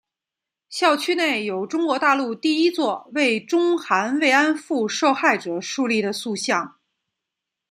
校区内有中国大陆第一座为中韩慰安妇受害者树立的塑像。